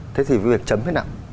thế thì việc chấm thế nào